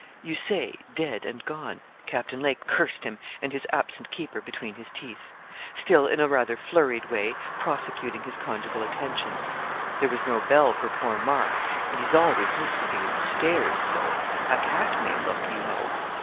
You say, dead and gone.' Captain Lake cursed him and his absent keeper between his teeth; still in a rather flurried way, prosecuting his conjugal attentions. 'There was no bell for poor Mark; and he's always listening, and stares so. A cat may look, you know.'